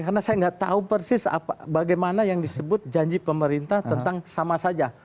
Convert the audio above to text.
karena saya tidak tahu persis bagaimana yang disebut janji pemerintah tentang sama saja